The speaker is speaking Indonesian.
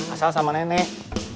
asal sama nenek